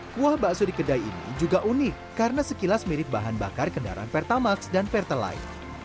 kuah bakso di kedai ini juga unik karena sekilas mirip bahan bakar kendaraan pertamax dan pertalite